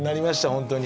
本当に。